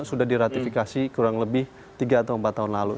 sudah diratifikasi kurang lebih tiga atau empat tahun lalu